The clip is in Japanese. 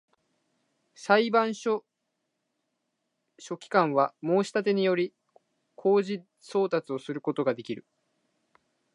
裁判所書記官は、申立てにより、公示送達をすることができる